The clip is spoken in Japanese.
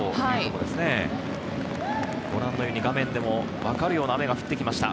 画面でも分かるような雨が降ってきました。